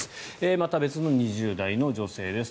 また、別の２０代の女性です。